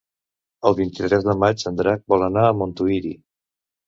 El vint-i-tres de maig en Drac vol anar a Montuïri.